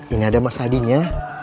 ini ada mas adin ya